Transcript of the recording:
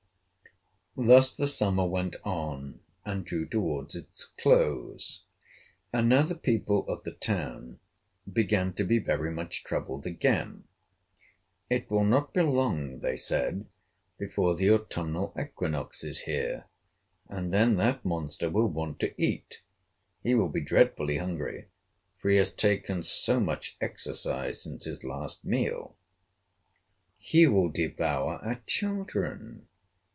Thus the summer went on, and drew toward its close. And now the people of the town began to be very much troubled again. "It will not be long," they said, "before the autumnal equinox is here, and then that monster will want to eat. He will be dreadfully hungry, for he has taken so much exercise since his last meal. He will devour our children.